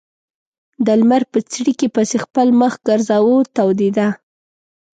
د لمر په څړیکې پسې خپل مخ ګرځاوه تودېده.